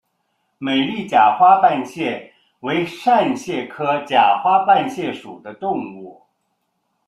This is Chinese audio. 美丽假花瓣蟹为扇蟹科假花瓣蟹属的动物。